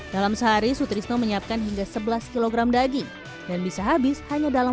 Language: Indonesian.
dalam sehari sutrisno menyiapkan hingga sebelas kg daging dan bisa habis hanya dalam